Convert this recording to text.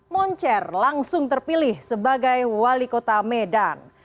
moncer langsung terpilih sebagai wali kota medan